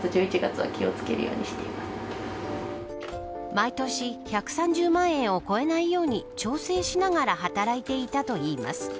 毎年１３０万円を超えないように調整しながら働いていたといいます。